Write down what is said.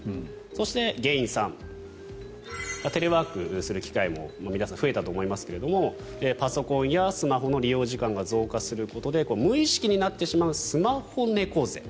そして、原因３テレワークする機会も皆さん、増えたと思いますがパソコンやスマホの利用時間が増えることで無意識になってしまうスマホ猫背。